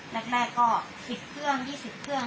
แรกก็๑๐เครื่อง๒๐เครื่อง